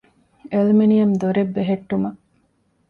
އެލްމިނިއަމް ދޮރެއް ބެހެއްޓުމަށް